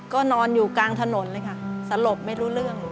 ก็นอนอยู่กลางถนนเลยค่ะสลบไม่รู้เรื่องเลย